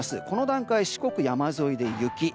この段階で四国の山沿いで雪。